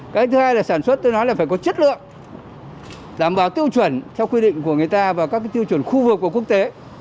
cái thứ hai là sản xuất tôi nói là phải có chất lượng đảm bảo tiêu chuẩn theo quy định của người ta và các tiêu chuẩn khu vực của quốc tế